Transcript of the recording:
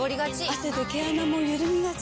汗で毛穴もゆるみがち。